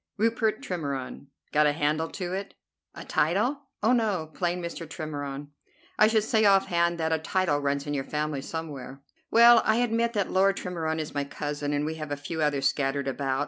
"Rupert Tremorne." "Got a handle to it?" "A title? Oh, no! Plain Mr. Tremorne." "I should say, off hand, that a title runs in your family somewhere." "Well; I admit that Lord Tremorne is my cousin, and we have a few others scattered about.